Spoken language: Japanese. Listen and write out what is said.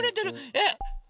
えっ。